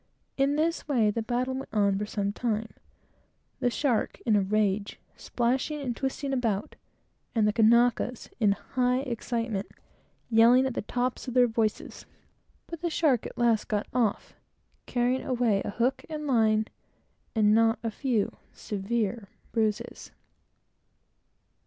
In this way the battle went on for some time, the shark, in a rage, splashing and twisting about, and the Kanakas, in high excitement, yelling at the top of their voices; but the shark at last got off, carrying away a hook and liner and not a few severe bruises.